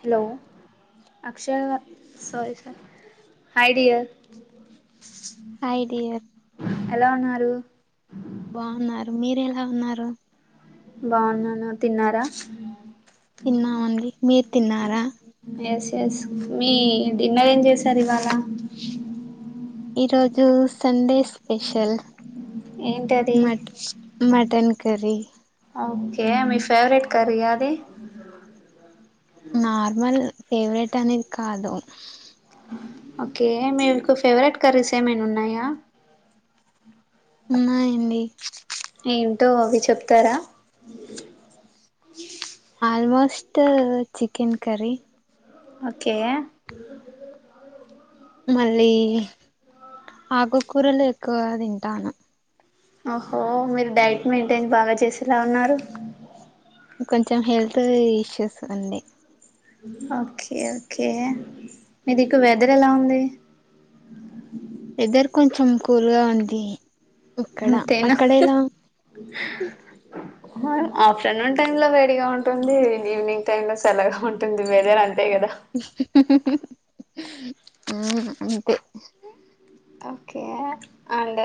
Hello Akshaya hi dear hi dear ఎలా ఉన్నారు బాగున్నారు మీర ఎలా ఉన్నారు బాగున్నాను తిన్నారా తిన్నామండి మీరు తిన్నారా ఎస్ మీ డిన్నర్ ఏం చేసారు ఇవాళ ఈ రోజు సండే స్పెషల్ ఏంటది మట్ మటన్ కరీ కే మీ ఫేవరెట్ కర్రీ ఆ అది నార్మల్ ఫేవరెట్ అనేది కాదు ఓకే మీకు ఫేవరెట్ కర్రీస్ ఏమైనా ఉన్నాయా ఉన్నాయండీ ఏంటో అవి చెప్తారా ఆల్మోస్ట్ చికెన్ కరీ ఓకే మళ్ళీ ఆకుకూరలు ఎక్కువ తింటాను ఓహో మీరు డైట్ మెయింటైన్ బాగా చేసేలా ఉన్నారు కొంచెం హెల్త్ ఇష్యూస్ అండి ఓకే ఓకే మీది దిక్కు వెదర్ ఎలా ఉంది వెదర్ కొంచం కూల్గా ఉంది ఇక్కడ అక్కడ అంతేనా ఎలా ఆఫ్టర్నూన్ టైమ్ లో వేడిగా ఉంటుంది ఈవినింగ్ టైమ్ లో చల్లగా ఉంటుంది వేదేర్ అ ఆ అంతే ఓకే అండ్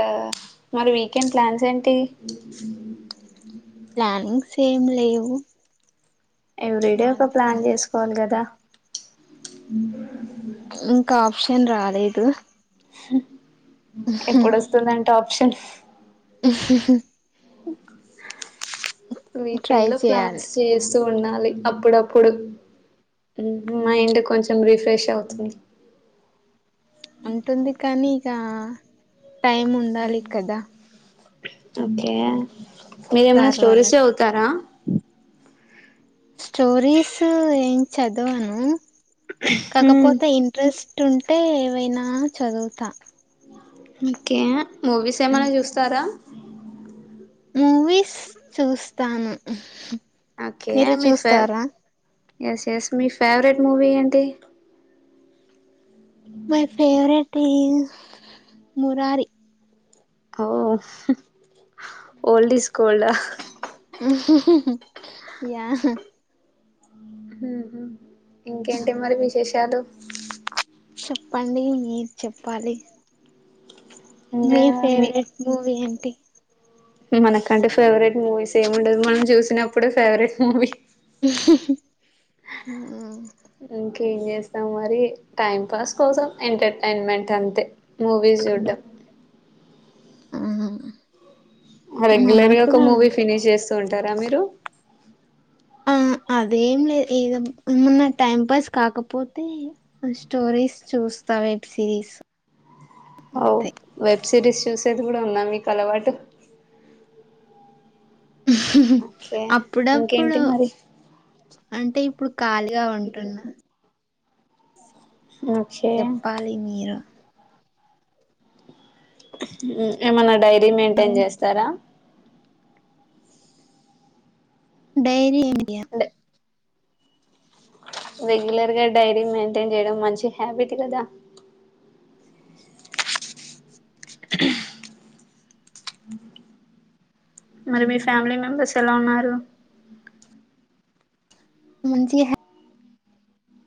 మరి వీకెండ్ ప్లాన్స్ ఏంటి ప్లానింగ్స్ ఏం లేవు ఎవ్రీడే ఒక నార్మల్ ప్లాన్ అంతా చేసుకోవాలి కదా ఇంకా ఆప్షన్ రాలేదు ఎప్పుడుస్తుందంటే ఆప్షన్ ట్రై వీకెండ్ లో ప్లాన్స్ చేయాలి చేస్తూ ఉండాలి అప్పుడప్పుడు మైండ్ కొంచెం రిఫ్రెష్ అవుతుంది ఉంటుంది కానీ ఇక టైం ఉండాలి కదా ఓకే మీరేమైనా సార్ స్టోరీసే వాళ్ళకి చదువుతారా స్టోరీస్ ఏం చదివాను హ్మ్ కాకపోతే ఇంట్రెస్ట్ ట్ ఉంటే ఏవైనా చదువుతా ఓకే మూవీస్ ఏమన్నా చూస్తారా మూవీస్ చూస్తాను ఓకే మీరు మీ ఫేవ చూస్తారా ఎస్ ఎస్ మీ ఫేవరెట్ మూవీ ఏంటి మై ఫేవరెట్ మురారి ఓ ఓల్డ్ ఇస్ గోల్డ యా ఇంకేంటి మరి విశేషాలు చెప్పండి మీరు చెప్పాలి మీ ఫేవరెట్ మూవీ ఏంటి మనకంటే ఫేవరెట్ మూవీస్ ఏమి ఉండదు మనం చూసినప్పుడు ఫేవరెట్ మూవీ ఆ ఏం చేస్తాం మరి టైం పాస్ కోసం ఎంటర్టైన్మెంట్ అంతే మూవీస్ చూడ్డం ఆ రెగ్యులర్ గా ఒక మూవీ ఫినిష్ చేస్తూ ఉంటారా మీరు ఆ అదేం లేదు [unintelligible] ఏమన్నా టైం పాస్ కాకపోతే స్టోరీస్ చూస్త వెబ్ సిరీస్ అవు అంతే వెబ్ సిరీస్ చూసేది కూడ ఉన్నా మీకు అలవాటు ఓకే ఇంకేంటి అప్పుడప్పుడు మరి అంటే ఇప్పుడు ఖాళీగా ఉంటున్నా ఓకే చెప్పాలి మీరు ఏమన్నా డైరీ మెయింటైన్ చేస్తార డైరీ [unintelligible] అంటే రెగ్యులర్ గా డైరీ మెయింటైన్ చేయడం మంచి హ్యాబిట్ కదా మరి మీ ఫ్యామిలీ మెంబర్స్ ఎలా ఉన్నారు మంచి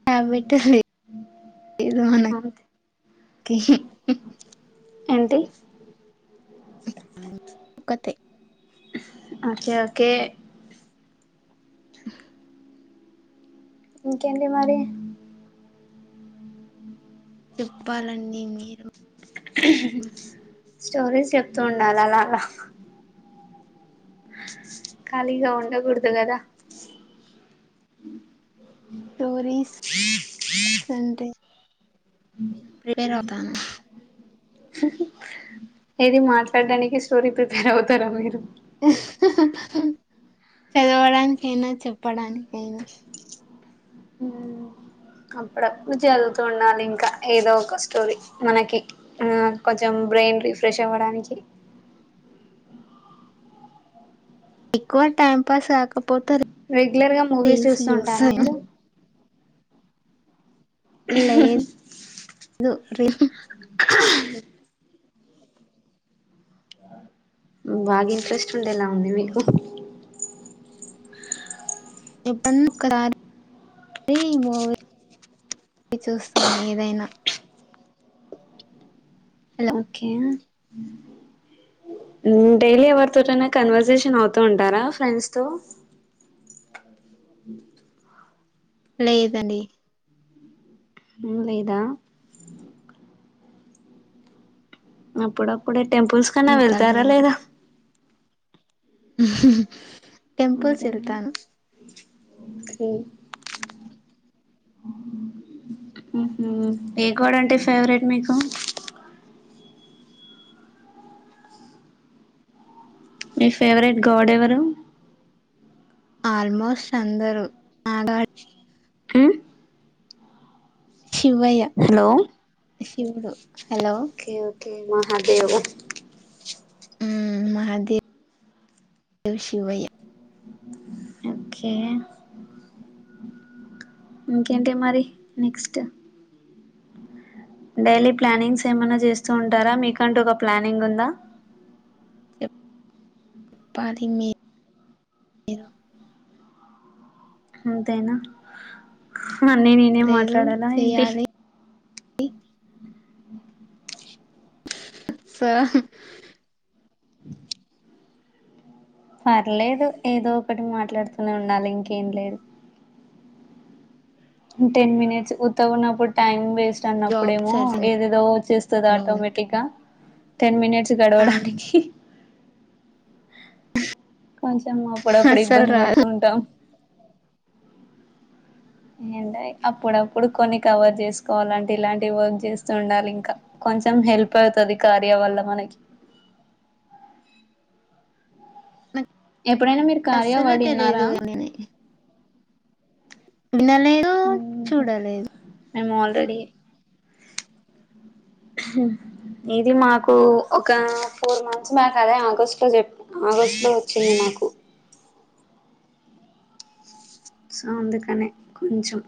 [unintelligible] [unintelligible] ఏంటి తి ఓకే ఓకే ఇంకేంటి మరి చెప్పాలండి మీరు స్టోరీస్ చెప్తూ ఉండు అలా అలా ఖళీగా ఉండ కుడదు కదా స్టోరీస్ అంటే [unintelligible] ఏది మాట్లాడడానికి స్టోరీ ప్రిపేర్ అవుతార మీరు చదవడానికైనా చెప్పడానికైనా హ అప్పుడిదువుతుూ ఉండాలి ఇంకా ఏదో ఒక స్టోరీ మనకి ఆ కొంచెం బ్రెయిన్ రీఫ్రెష్ అవ్వడానికి ఎక్కువ టైం పాస్ కాకపోతే రెగ్యులర్ గా మూవీస్ రీల్స్ చూస్తూ ఉంటారా చూస్త మీరు ఇ రీ బాగా ఇంట్రెస్ట్ ఉండేలా ఉంది మీకు [unintelligible] చూస్తాను ఏదైనా హలో ఓకే డైలీ ఎవరితోటైనా కన్వర్సేషన్ అవుతూ ఉంటారా ఫ్రెండ్స్ తో లేదండి ఉమ్ లేదా అప్పుడప్పుడే టెంపుల్స్ కన్నా ఇంకా వెళ్తారా లేదు లేదా టెంపుల్స్ వెళ్తాను హు హుహు ఏ కోడ అంటే ఫేవరెట్ మీకు మీ ఫేవరెట్ గాడ్ ఎవరు ఆల్మోస్ట్ అందరు అల్ ద ఊ శివయ్య హలో శివుడు హలో ఏ మహాదేవ ఉ మహాదేవ్ దేవ్ శివయ్య ఓకే ఇంకేంటి మరి నెక్స్ట్ డైలీ ప్లానింగ్స్ ఏమైనా చేస్తూ ఉంటారా మీకంటూ ఒక ప్లానింగ్ ఉందా. పాది మి మీరు అంతేనా అన్నీ నేనే మాట్లాడాలా ఏంటి డి సహ్మ్ పర్లేదు ఏదో ఒకటి మాట్లాడుతూనే ఉండాలి ఇంకేం లేదు టెన్ మినిట్స్ త్త ఉన్నప్పుడు టైం వేస్ట్ జాబ్ అన్నప్పుడేమో సర్చింగ్ ఏదేదో వచ్చేస్తదో లో ఉంటు ఆటోమేటిక్గా టెన్ మినిట్స్ గడవడానికి మంచిమ్మ అప్పుడప్పుడు అస్సలు ఇబ్బంది రాదు పడుతుంటాం ఏంట అప్పుడప్పుడు కొన్ని కవర్ చేసుకోవాలంటే ఇలాంటి వర్క్ చేస్తూ ఉండాలి ఇంకా కొంచెం కొంచెం హెల్ప్ అవుతది ఈ కార్య వల్ల మనకి నాకు ఎప్పుడైనా మీరు అస్సలు కార్యవడ్ విన్నారా తెలియదు వినలేదు చూడలేదు మేము ఆల్రెడీ హు ఇది మాకు ఒక ఫోర్ మంత్స్ బ్యాక్ అదే ఆగస్టు లో చె ఆగస్టు లో వచ్చింది మాకు సో అందుకనే కొంచెం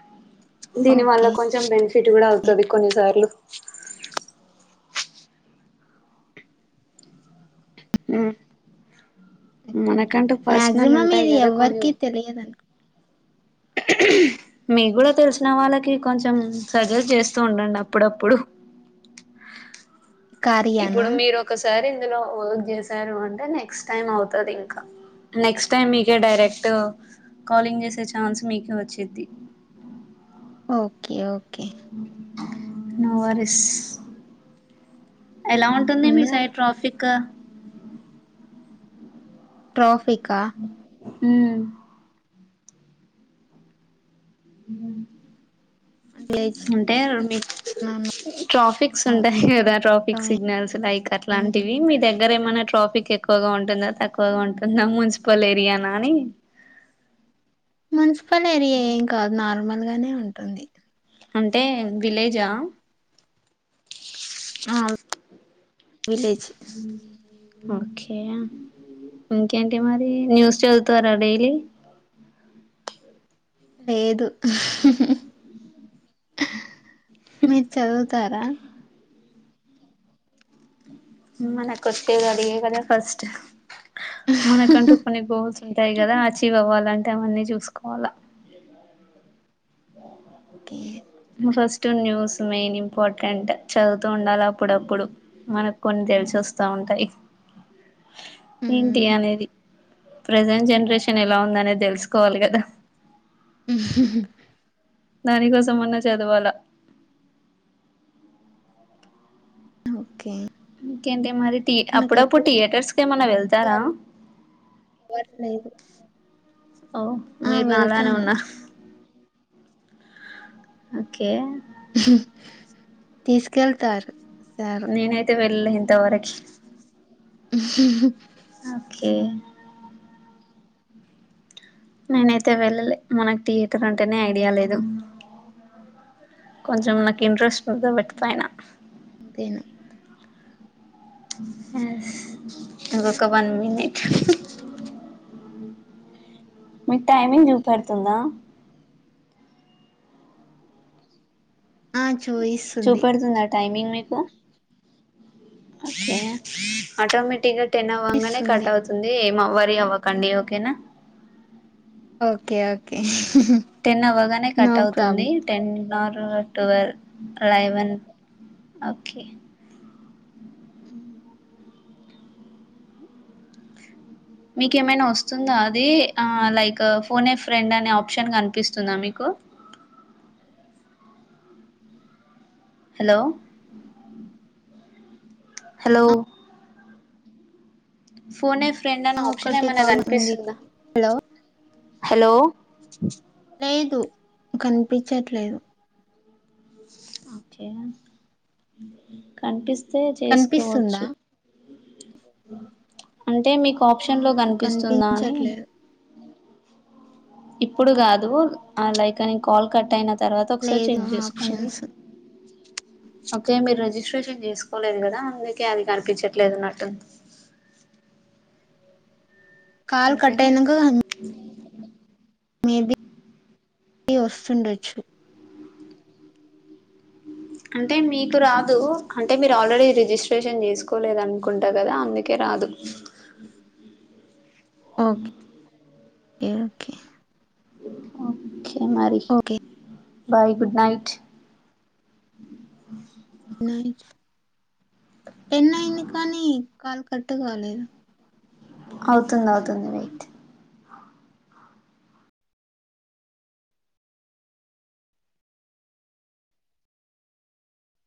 దీని వల్ల ఓకే. కొంచెం బెనిఫిట్ కూడా అవుతది కొన్నిసార్లు ఉ మనకంటూ పర్సనల్ మాక్సిమం ఉంటాయి ఇది కదా కొన్ని ఎవ్వరికీ తెలియదనుకు మీ కూడా తెలిసిన వాళ్ళకి కొంచెం సజెస్ట్ చేస్తూ ఉండండి అప్పుడప్పుడు కార్యానా? ఇప్పుడు మీరు ఒకసారి ఇందులో వర్క్ చేసారు అంటే నెక్స్ట్ టైమ్ అవుతది ఇంకా నెక్స్ట్ టైమ్ మీకే డైరెక్ట్ కాలింగ్ చేసే ఛాన్స్ మీకు వచ్చిద్ది [inaudible] ఓకే ఓకే నువారిస్ ఎలా ఉంటుంది ఉన్న మీ సైడ్ ట్రాఫిక్ ట్రోఫికా ఊ విలేజ్ అంటే మీ నన్ను ట్రాఫిక్స్ ఉంటాయి కదా అంతా ట్రాఫిక్ సిగ్నల్స్ లైకర్ ఏం లాంటివి మీ దగ్గర ఏమైన్నా ట్రాఫిక్ ఎక్కువగా ఉంటుందా తక్కువగా ఉంటుందా మున్సిపల్ ఏరియానా అని మున్సిపల్ ఏరియా ఏం కాదు నార్మల్ గానే ఉంటుంది అంటే విలేజా ఆ విలేజ్ ఓకే ఇంకేంటి మరి న్యూస్ చదువుతారా డైలీ [inaudible] లేదు ఊహు మీరు చదువుతారా మన కొట్టే అడిగే కనే ఫస్ట్ మనకంటూ పనితు ఉంటాయి కదా అచీవ్ అవ్వాలంటే అవన్నీ చూసుకోవాల okay [inaudible] first news main important చదువుతూ ఉండాలి అప్పుడప్పుడు మనకు కొన్ని తెలుసు చూస్తా ఉంటాయి ఏంటి హ్మ్. అనేది ప్రజెంట్ జనరేషన్ ఎలా ఉంద అనేది తెలుసుకోవాలి కదా ఊహు దానికోసం ఉొన్న చదవాలా ఓకే ఇంకా ఏంటి మరి అప్పుడప్పుడు నాకెప్పుడు థియేటర్స్ క ఏమన్నా వెళ్తారా ఎవరు లేరు. ఓ ఆ! మీరు నలానే వెళ్తాను. ఉన్నారు ఓకే ఊహు తీసుకెళ్తారు సారు. నేనైతే వెళ్ళలే ఇంతవరకు [inaudible] ఉ నేనైతే వెళ్ళలే మనకు థియేటర్ అంటేనే ఐడియా లేదు కొంచెం నాకు ఇంట్రెస్ట్ మీద పెడతాయనా అంతను ఇ గకబా మని హ మీకు టైమింగ్ చూపెడుతుందా ఆ చూయిస్తుంది చూపెడుతుందా టైమింగ్ మీకు ఓకే ఆటోటిక్ గా టెన్ అవ్వంగానే చూపిస్తుంది కట్ అవుతుంది ఏం వర్రీ అవ్వకండి ఓకేనా. ఓకే ఓకే టెన్ అవ్వగానే నో కట్ అవుతుంది ప్రాబ్లం టెన్ అర్ వర్ ట్యూవల్ లెవన్ ఓకే ఉ మీకేమైనా వస్తుందా అది ఆ లైక్ ఫోన్ ఎ ఫ్రెండ్ అనే ఆప్షన్ కనిపిస్తుందా మీకు [inaudible] hello hello phone a friend అనే ఆప్షన్ ఒకటి ఏమన్నా కాల్ ఉంది కనిపిస్తుందా. హలో హలో లేదు కనిపించట్లేదు ఓకే కనిపిస్తే కనిపిస్తుందా చేసుకోవచ్చు అంటే మీకు ఆప్షన్లో ఆహా కనిపిస్తుందా అని కనిపించట్లేదు ఇప్పుడు కాదు ఆ లైక్ నేను కాల్ కట్ అయిన తర్వాత ఒకసారి లేదు చెక్ చేస్కోండి ఆప్షన్స్ ఓకే మీరు రిజిస్ట్రేషన్ చేసుకోలేదు కదా అందుకే అది కనిపించట్లేదున్నట్టు [inaudible] కాల్ కట్ అయినంగా ఇది వస్తుండొచ్చు అంటే మీకు రాదు అంటే మీరు ఆల్రెడీ రిజిస్ట్రేషన్ చేసుకోలేద అనుకుంటా కదా అందుకే కె రాదు ఓకే ఓకే ఓకే మరి okay bye good night night పెన్ అయింది కానీ కాలు కట్టు కాలేదు అవుతుంది అవుతుంది వెయిట్